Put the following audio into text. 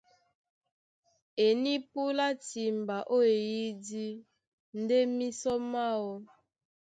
E nípúlá timba ó eyídí ndé mísɔ máō.